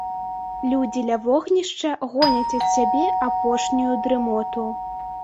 Людзі ля вогнішча гоняць ад сябе апошнюю дрымоту.